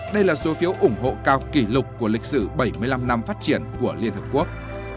đây là số phiếu ủng hộ cao kỷ lục của lịch sử bảy mươi năm năm phát triển của liên hợp quốc